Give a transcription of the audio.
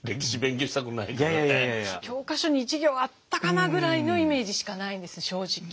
教科書に１行あったかなぐらいのイメージしかないんです正直。